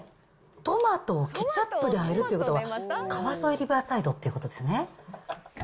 トマトをケチャップであえるってことは、川沿いリバーサイドっていうことですね。